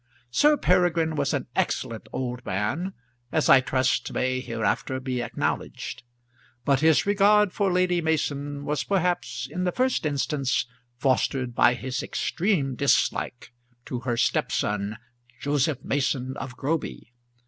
Sir Peregrine was an excellent old man, as I trust may hereafter be acknowledged; but his regard for Lady Mason was perhaps in the first instance fostered by his extreme dislike to her stepson, Joseph Mason of Groby.